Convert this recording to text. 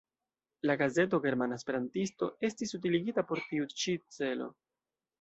La gazeto "Germana Esperantisto" estis utiligata por tiu ĉi celo.